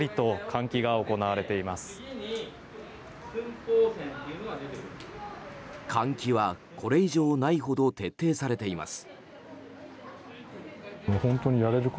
換気は、これ以上ないほど徹底されています。